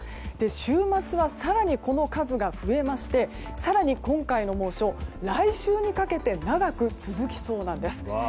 週末は、更にこの数が増えまして更に今回の猛暑、来週にかけ長く続きそうです。